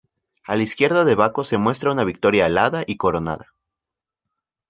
A la izquierda de Baco se muestra una Victoria alada y coronada.